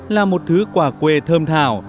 là một thứ quả quê thơm thảo